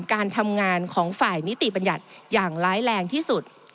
การทำงานของฝ่ายนิติบัญญัติอย่างร้ายแรงที่สุด